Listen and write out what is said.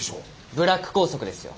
ブラック校則ですよ。